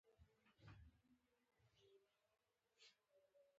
ایا وړیا درمل غواړئ؟